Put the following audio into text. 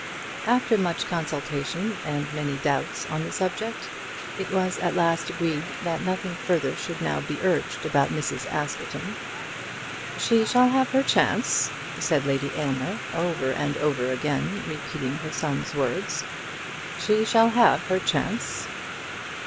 After much consultation and many doubts on the subject, it was at last agreed that nothing further should now be urged about Mrs. Askerton. "She shall have her chance," said Lady Aylmer over and over again, repeating her son's words. "She shall have her chance."